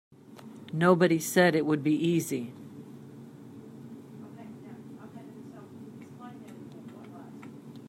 Nobody said it would be easy.